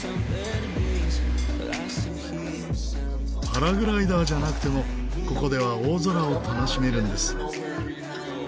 パラグライダーじゃなくてもここでは大空を楽しめるんです。